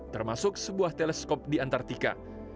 termasuk sebuah teleskop di antartika